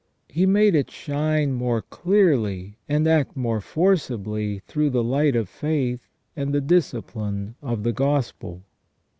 He made it shine more clearly and act more forcibly through the light of faith and the discipline of the Gospel.